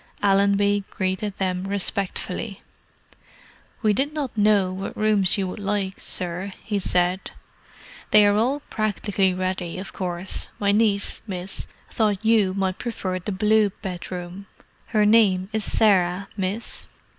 Allenby greeted them respectfully. "We did not know what rooms you would like, sir," he said. "They are all practically ready, of course. My niece, miss, thought you might prefer the blue bedroom. Her name is Sarah, miss."